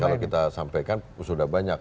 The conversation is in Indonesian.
kalau kita sampaikan sudah banyak